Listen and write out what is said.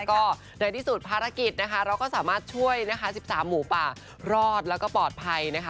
ก็ในที่สุดภารกิจนะคะเราก็สามารถช่วยนะคะ๑๓หมูป่ารอดแล้วก็ปลอดภัยนะคะ